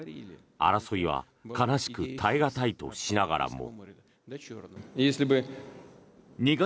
争いは悲しく耐え難いとしながらも。